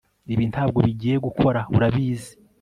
ibi ntabwo bigiye gukora, urabizi